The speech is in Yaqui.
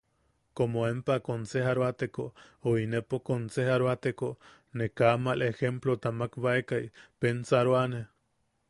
Komo empa konsejaroateko o inepa konsejaroateko, ne kaa mal ejemplota makbaeka pensaroane.